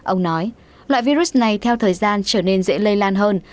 ông nói loại virus này theo thời gian trở nên dễ lây lan hơn